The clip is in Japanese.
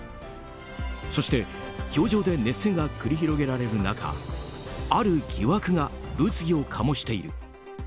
そして氷上で熱戦が繰り広げられる中ある疑惑が物議を醸している。